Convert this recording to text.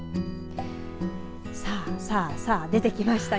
さあさあ、出てきました